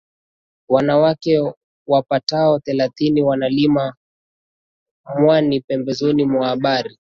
Wanawake wapatao thelathini wanalima mwani pembezoni mwa bahari